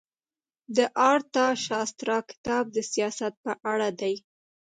د ارتاشاسترا کتاب د سیاست په اړه دی.